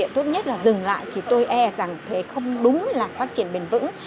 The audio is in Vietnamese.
tốt nhất là dừng lại thì tôi e rằng thế không đúng là phát triển bền vững